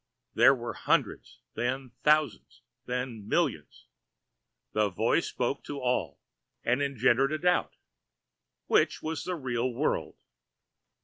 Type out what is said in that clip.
There were hundreds, then thousands, then millions. The voice spoke to all and engendered a doubt. Which was the real world?